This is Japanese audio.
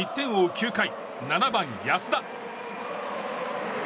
９回７番、安田。